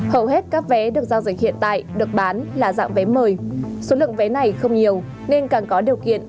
hầu hết các vé được giao dịch hiện tại được bán là dạng vé mời số lượng vé này không nhiều nên càng có điều kiện